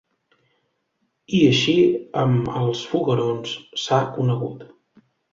I així, amb els foguerons, s’ha conegut.